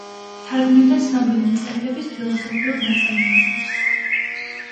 თარგმნიდა ცნობილი მწერლების ფილოსოფიურ ნაწარმოებებს.